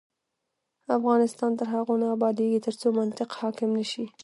افغانستان تر هغو نه ابادیږي، ترڅو منطق حاکم نشي.